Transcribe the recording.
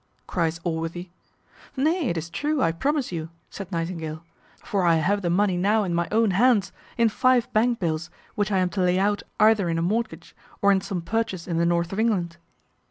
cries Allworthy. "Nay, it is true, I promise you," said Nightingale, "for I have the money now in my own hands, in five bank bills, which I am to lay out either in a mortgage, or in some purchase in the north of England."